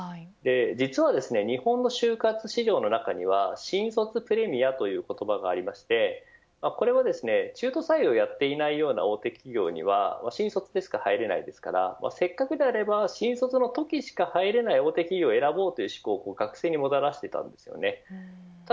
実は日本の就活市場の中には新卒プレミアという言葉がありましてこれは中途採用やっていないような大手企業には新卒でしか入れませんのでせっかくであれば新卒のときにしか入れない大手企業を選ぼうという志向を学生にもたらしていました。